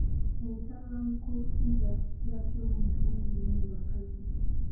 Obutabanguko obusinziira ku kikula ky'omuntu bungi nnyo mu bakazi.